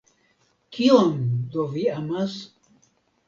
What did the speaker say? Kion do vi amas?